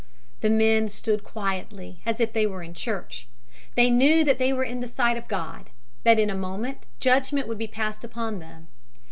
"The men stood quietly as if they were in church. They knew that they were in the sight of God; that in a moment judgment would be passed upon them.